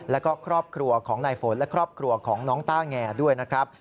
แล้วก็ครอบครัวของนายฝนและครอบครัวของน้องต้าแงด้วยนะครับ